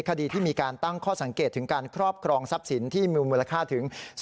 คดีที่มีการตั้งข้อสังเกตถึงการครอบครองทรัพย์สินที่มีมูลค่าถึง